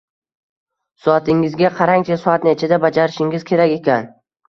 Soatingizga qarangchi soat nechada bajarishingiz kerak ekan.